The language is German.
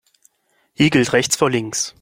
Hier gilt rechts vor links.